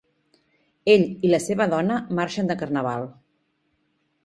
Ell i la seva dona marxen del carnaval.